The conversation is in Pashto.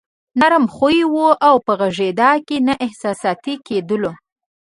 نرم خويه وو او په غږېدا کې نه احساساتي کېدلو.